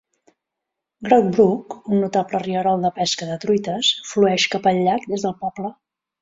Grout Brook, un notable rierol de pesca de truites, flueix cap al llac des del poble.